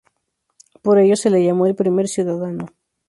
Por ello, se le llamó "El Primer Ciudadano".